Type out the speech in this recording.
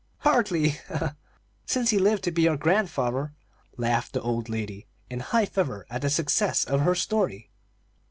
"Hardly, since he lived to be your grandfather," laughed the old lady, in high feather at the success of her story.